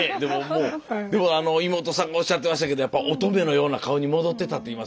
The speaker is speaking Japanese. でもあの妹さんがおっしゃってましたけどやっぱ乙女のような顔に戻ってたって言いますから。